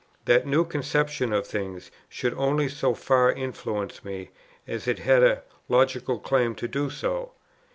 That new conception of things should only so far influence me, as it had a logical claim to do so.